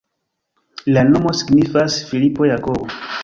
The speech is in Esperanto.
La nomo signifas Filipo-Jakobo.